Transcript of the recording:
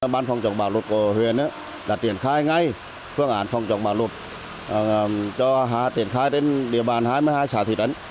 ban phòng trọng bảo lục của huyện đã tiền khai ngay phương án phòng trọng bảo lục cho tiền khai đến địa bàn hai mươi hai xã thị trấn